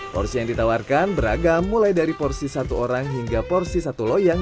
porsi yang ditawarkan beragam mulai dari porsi satu orang hingga porsi satu loyang